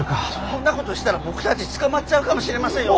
そんなことしたら僕たち捕まっちゃうかもしれませんよ。